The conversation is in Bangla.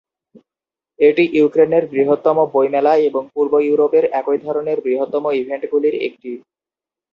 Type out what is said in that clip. এটি ইউক্রেনের বৃহত্তম বই মেলা এবং পূর্ব ইউরোপের এই ধরনের বৃহত্তম ইভেন্টগুলির একটি।